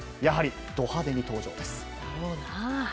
やはりド派手に登場です。